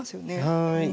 はい。